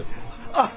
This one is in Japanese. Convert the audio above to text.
・あっ。